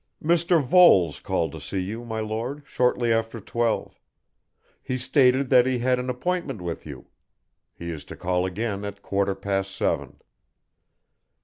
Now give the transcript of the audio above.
"Mr. Voles called to see you, my Lord, shortly after twelve. He stated that he had an appointment with you. He is to call again at quarter past seven."